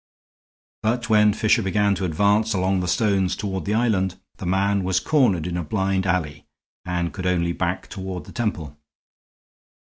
But when Fisher began to advance along the stones toward the island, the man was cornered in a blind alley and could only back toward the temple.